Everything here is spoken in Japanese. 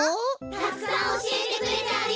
たくさんおしえてくれてありがとう！